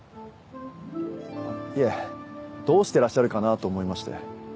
いえどうしてらっしゃるかなと思いまして。